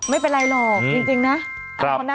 ไม่เป็นไรหรอกจริงนะ